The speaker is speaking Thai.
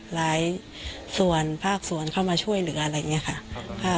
หลายส่วนภาคส่วนเข้ามาช่วยเหลืออะไรอย่างนี้ค่ะ